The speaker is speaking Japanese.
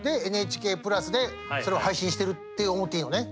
で「ＮＨＫプラス」でそれを配信してるって思っていいのね？